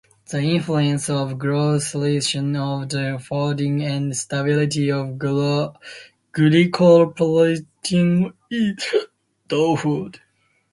The influence of glycosylation on the folding and stability of glycoprotein is twofold.